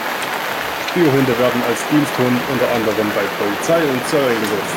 Spürhunde werden als Diensthund unter anderem bei Polizei und Zoll eingesetzt.